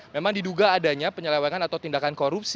memang diduga adanya penyelewengan atau tindakan korupsi